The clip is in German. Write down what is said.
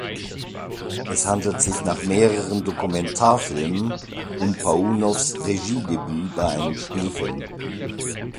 Es handelt sich nach mehreren Dokumentarfilmen um Paounovs Regiedebüt bei einem Spielfilm.